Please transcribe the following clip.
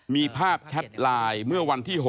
มีภาพแชทไลน์เมื่อวันที่๖